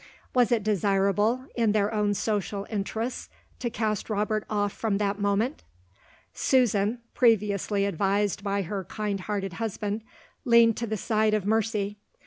Was it desirable, in their own social interests, to cast Robert off from that moment? Susan (previously advised by her kind hearted husband) leaned to the side of mercy.